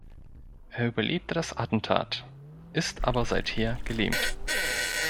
Er überlebte das Attentat, ist aber seither gelähmt.